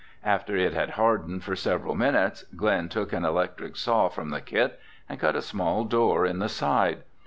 After it had hardened for several minutes, Glen took an electric saw from the kit and cut a small door in the side.